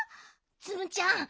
ツムちゃん